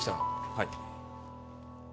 はい。